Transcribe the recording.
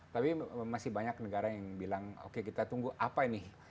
tapi masih banyak negara yang bilang oke kita tunggu apa ini